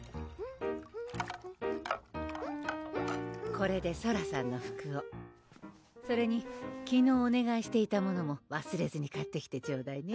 これでソラさんの服をそれに昨日おねがいしていたものもわすれずに買ってきてちょうだいね